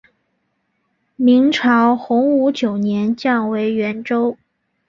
明朝洪武九年降为沅州。